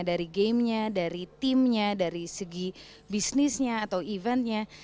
dari gamenya dari timnya dari segi bisnisnya atau eventnya